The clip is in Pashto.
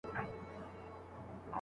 څنگه دې هر صفت پر گوتو باندې وليکمه